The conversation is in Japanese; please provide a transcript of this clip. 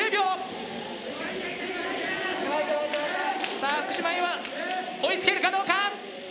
さあ福島Ａは追いつけるかどうか？